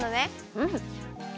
うん。